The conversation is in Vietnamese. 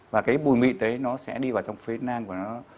và cái bùi mịn đấy nó sẽ đi vào trong phế nang của nó